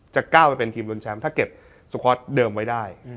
ก้าวไปเป็นทีมรุนแชมป์ถ้าเก็บสคอร์ตเดิมไว้ได้